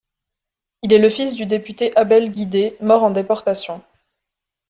Il est le fils du député Abel Guidet, mort en déportation.